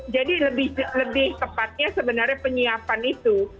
jadi lebih tepatnya sebenarnya penyiapan itu